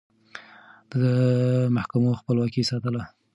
ده د محکمو خپلواکي ساتله.